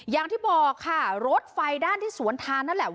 อย่างที่บอกค่ะรถไฟด้านที่สวนทางนั่นแหละ